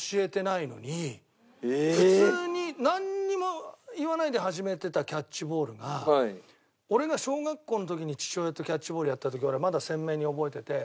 普通になんにも言わないで始めてたキャッチボールが俺が小学校の時に父親とキャッチボールやった時俺まだ鮮明に覚えてて。